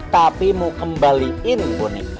tapi mau kembalikan boneka